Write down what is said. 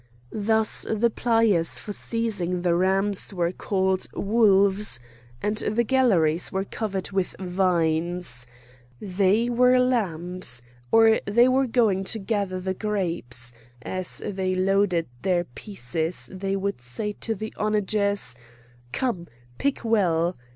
Thus the plyers for seizing the rams were called "wolves," and the galleries were covered with "vines"; they were lambs, or they were going to gather the grapes; and as they loaded their pieces they would say to the onagers: "Come, pick well!"